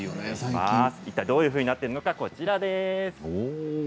いったいどういうふうになっているのか、こちらです。